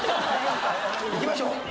⁉いきましょう。